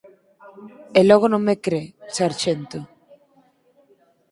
E logo non me cre, sarxento?